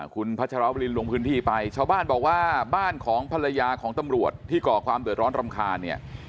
คุณพัชรวรินลงพื้นที่ไปชาวบ้านบอกว่าบ้านของภรรยาของตำรวจที่ก่อความเดือดร้อนรำคาญเนี่ย